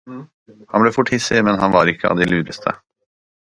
Han ble fort hissig, men han var ikke av de lureste.